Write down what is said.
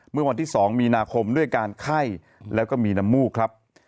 เมื่อวันที่๒มีนาคมด้วยการไข้แล้วก็มีน้ำมูกครับ